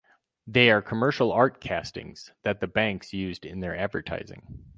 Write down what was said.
They are commercial art castings that the banks used in their advertising.